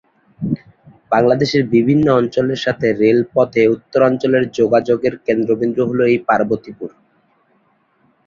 বাংলাদেশের বিভিন্ন অঞ্চলের সাথে রেলপথে উত্তরাঞ্চলের যোগাযোগের কেন্দ্রবিন্দু হলো এই পার্বতীপুর।